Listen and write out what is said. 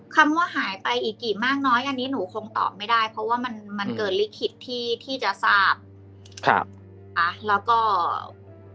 คำว่าหายไปกี่มากน้อยอันนี้หนูคงตอบไม่ได้เพราะว่ามันเกิดลิขิตที่จะทราบ